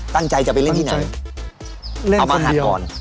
ตั้งใจจะไปเล่นที่ไหน